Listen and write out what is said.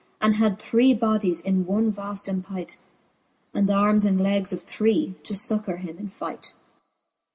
And had three bodies in one waft empight. And th'armes and legs of three, to fuccour him in fight.